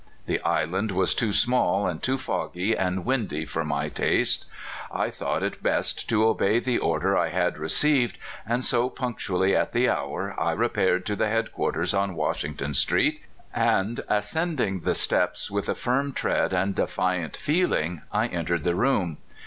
The island was too small, and too foggy and windy, for my taste. I thought it best to obey the order I had received, and so, punctually at the hour, I repaired to the head quarters on Washing ton Street, and ascending the steps with a firm tread and defiant feeling, I entered the room.